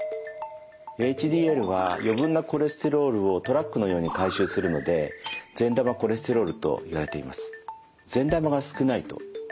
ＨＤＬは余分なコレステロールをトラックのように回収するので善玉コレステロールといわれています。